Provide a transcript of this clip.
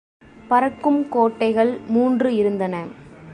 பறக்கும் கோட்டைகள் மூன்று இருந்தன.